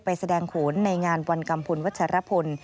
แสดงโขนในงานวันกัมพลวัชรพล